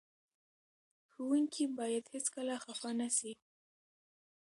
ښوونکي باید هېڅکله خفه نه سي.